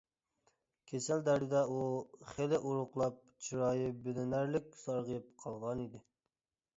كېسەل دەردىدە ئۇ خېلى ئورۇقلاپ، چىرايى بىلىنەرلىك سارغىيىپ قالغانىدى.